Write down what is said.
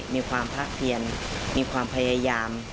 มีความพระเพียรมีความพยายาม